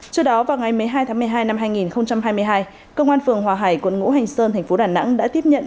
trước đó vào ngày một mươi hai tháng một mươi hai năm hai nghìn hai mươi hai công an phường hòa hải quận ngũ hành sơn thành phố đà nẵng đã tiếp nhận